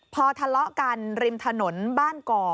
พอทะเลาะกันริมถนนบ้านก่อ